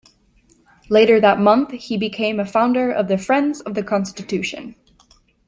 Later that month he became a founder of the Friends of the Constitution.